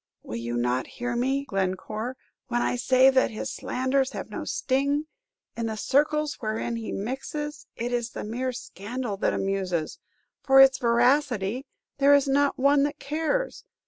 "Will you not hear me, Glencore, when I say that his slanders have no sting? In the circles wherein he mixes, it is the mere scandal that amuses; for its veracity, there is not one that cares.